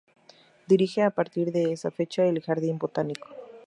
Dirige a partir de esa fecha, el jardín botánico.